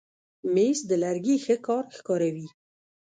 مېز د لرګي ښه کار ښکاروي.